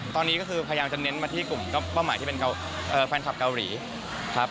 ตอนนี้ก็คือพยายามจะเน้นมาที่กลุ่มก็เป้าหมายที่เป็นแฟนคลับเกาหลีครับ